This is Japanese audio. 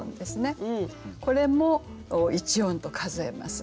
これも一音と数えます。